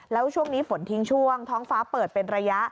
แล้วช่วงนี้ฝนทิ้งช่วงท้องฟ้าเปิดเป็นระยะ